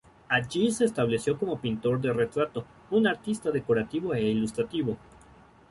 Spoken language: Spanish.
Allí se estableció como pintor de retrato, un artista decorativo e ilustrador.